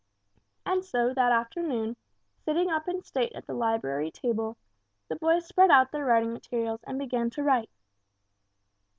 And so that afternoon, sitting up in state at the library table, the boys spread out their writing materials and began to write.